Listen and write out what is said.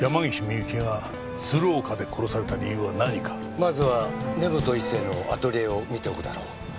まずは根本一成のアトリエを見ておくだろう？